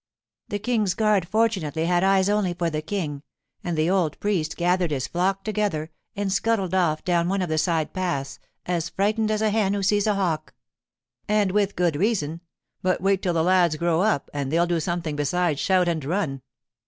'The King's guard fortunately had eyes only for the King, and the old priest gathered his flock together and scuttled off down one of the side paths, as frightened as a hen who sees a hawk.' 'And with good reason—but wait till the lads grow up, and they'll do something besides shout and run.